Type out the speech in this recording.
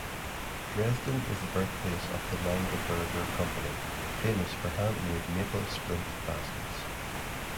Dresden is the birthplace of the Longaberger Company, famous for handmade maple splint baskets.